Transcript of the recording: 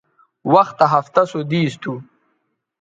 وختہ ہفتہ سو دیس تھو